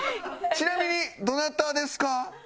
ちなみにどなたですか？